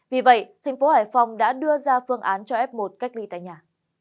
vì vậy thành phố hải phòng đã đưa ra phương án cho f một cách ly tại nhà